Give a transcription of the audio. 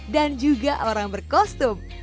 dan juga orang berkostum